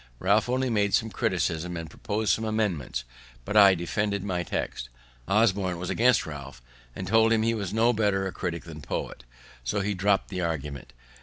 Ralph only made some criticisms, and propos'd some amendments; but I defended my text. Osborne was against Ralph, and told him he was no better a critic than poet, so he dropt the argument.